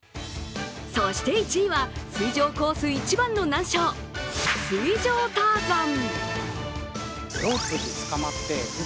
そして、１位は水上コース一番の難所水上ターザン。